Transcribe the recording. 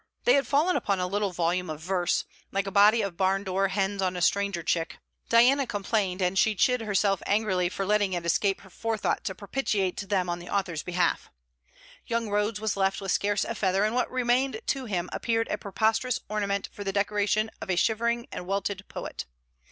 They had fallen upon a little volume of verse, 'like a body of barn door hens on a stranger chick,' Diana complained; and she chid herself angrily for letting it escape her forethought to propitiate them on the author's behalf. Young Rhodes was left with scarce a feather; and what remained to him appeared a preposterous ornament for the decoration of a shivering and welted poet.